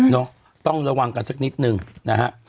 ต้องระวังกันสักนิดนึงนะฮะ